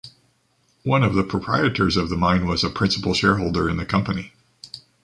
One of the proprietors of the mine was a principal shareholder in the company.